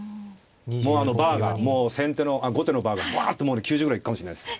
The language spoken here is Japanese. もうあのバーが後手のバーがバッともうね９０ぐらい行くかもしれないです。